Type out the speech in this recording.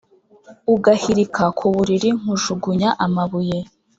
Ugahilika ku bulili nkujugunya amabuye